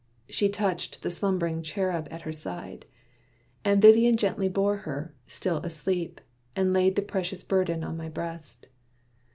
She touched the slumb'ring cherub at her side, And Vivian gently bore her, still asleep, And laid the precious burden on my breast.